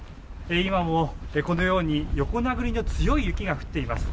今もこのように横殴りの強い雪が降っています。